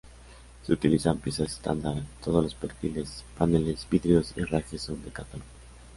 Se utilizan piezas estándar: todos los perfiles, paneles, vidrios y herrajes son ‘de catálogo’.